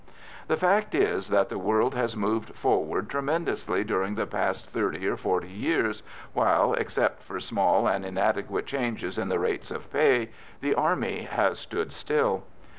The fact is that the world has moved forward tremendously during the past thirty or forty years, while, except for small and inadequate changes in the rates of pay, the Army has stood still.